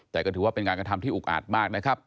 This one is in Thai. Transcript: แต่ก็ถือว่าเป็นการกระทำที่อุกอาจมากนะครับ